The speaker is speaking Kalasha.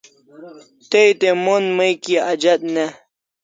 Tay te mon may kia ajat ne